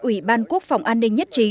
ủy ban quốc phòng an ninh nhất trí